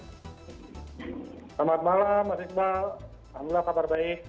selamat malam mas iqbal alhamdulillah kabar baik